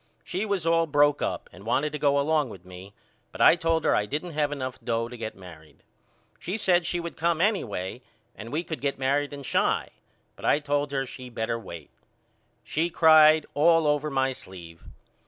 She was all broke up and wanted to go along with me but I told her I didn't have enough dough to get married. She said she would come anyway and we could get married in Chi but I told her she better wait. She cried all over my sleeve.